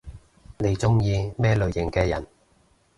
你中意咩類型嘅人？